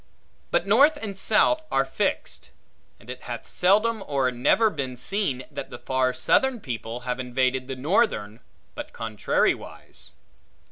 But north and south are fixed; and it hath seldom or never been seen that the far southern people have invaded the northern, but contrariwise.